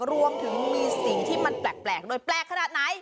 รวมถึงมีสิ่งที่มันแปลกโดยแปลกขนาดไหน